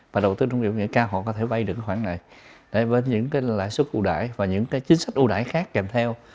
và đầu tư nông nghiệp công nghệ cao họ có thể vây được khoảng này với những cái lãi suất ưu đãi và những cái chính sách ưu đãi khác kèm theo